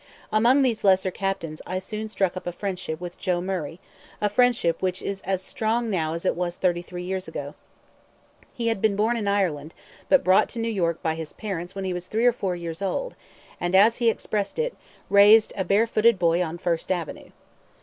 Among these lesser captains I soon struck up a friendship with Joe Murray, a friendship which is as strong now as it was thirty three years ago. He had been born in Ireland, but brought to New York by his parents when he was three or four years old, and, as he expressed it, "raised as a barefooted boy on First Avenue."